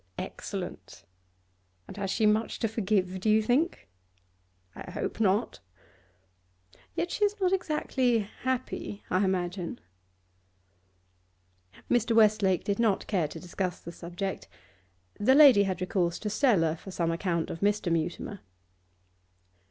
'Excellent! And has she much to forgive, do you think?' 'I hope not.' 'Yet she is not exactly happy, I imagine?' Mr. Westlake did not care to discuss the subject. The lady had recourse to Stella for some account of Mr. Mutimer.